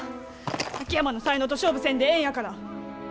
秋山の才能と勝負せんでええんやから！